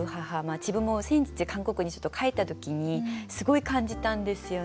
自分も先日韓国にちょっと帰った時にすごい感じたんですよね。